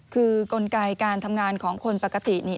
คือกลไกการทำงานของคนปกตินี่